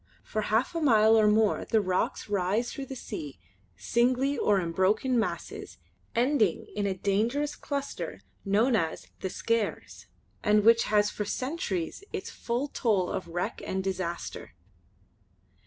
For half a mile or more the rocks rise through the sea singly or in broken masses ending in a dangerous cluster known as "The Skares" and which has had for centuries its full toll of wreck and disaster.